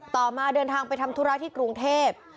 ต่อมาเดินทางไปทำธุราคมที่กรุงเทพฯ